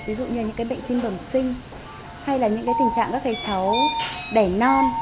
ví dụ như những bệnh tim bẩm sinh hay là những tình trạng các cháu đẻ non